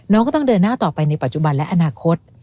น้องก็ต้องเดินหน้าต่อไปในปัจจุบันและอนาคต